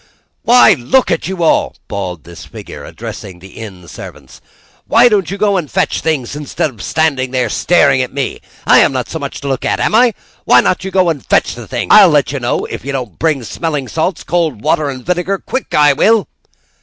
"Why, look at you all!" bawled this figure, addressing the inn servants. "Why don't you go and fetch things, instead of standing there staring at me? I am not so much to look at, am I? Why don't you go and fetch things? I'll let you know, if you don't bring smelling salts, cold water, and vinegar, quick, I will."